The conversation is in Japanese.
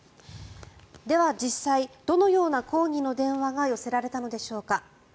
では、実際どのような抗議の電話が寄せられたのでしょうか。